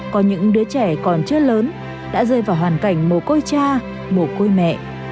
có những đứa trẻ còn chưa lớn đã rơi vào hoàn cảnh mồ côi cha mồ côi mẹ